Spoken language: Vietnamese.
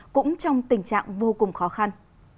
cũng trong tình trạng vô cùng khó khăn